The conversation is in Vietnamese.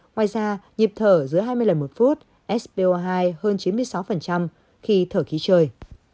ngoài ra nhịp thở giữa hai mươi lần một phút spo hai hơn chín mươi sáu khi thở khí trời